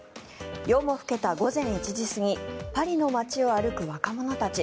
夜も更けた午前１時過ぎパリの街を歩く若者たち。